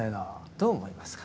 どう思いますか？